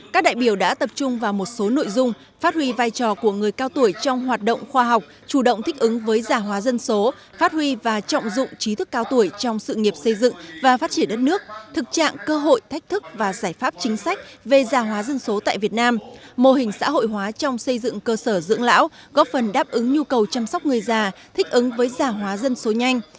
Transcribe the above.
các đại biểu đã tập trung vào một số nội dung phát huy vai trò của người cao tuổi trong hoạt động khoa học chủ động thích ứng với giả hóa dân số phát huy và trọng dụng trí thức cao tuổi trong sự nghiệp xây dựng và phát triển đất nước thực trạng cơ hội thách thức và giải pháp chính sách về giả hóa dân số tại việt nam mô hình xã hội hóa trong xây dựng cơ sở dưỡng lão góp phần đáp ứng nhu cầu chăm sóc người già thích ứng với giả hóa dân số nhanh